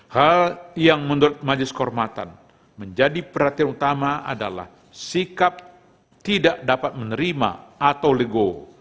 hal yang menurut majelis kehormatan menjadi perhatian utama adalah sikap tidak dapat menerima atau legowo